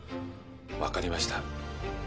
分かりました。